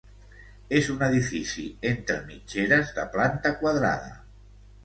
És un edifici entre mitgeres de planta quadrada.